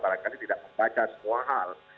barangkali tidak membaca semua hal